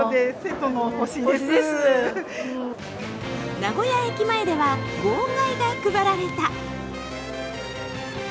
名古屋駅前では号外が配られた。